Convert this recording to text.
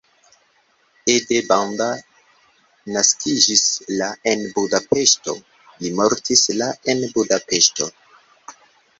Ede Banda naskiĝis la en Budapeŝto, li mortis la en Budapeŝto.